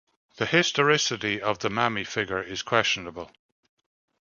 The historicity of the mammy figure is questionable.